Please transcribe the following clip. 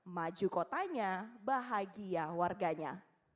maju kotanya bahagia warganya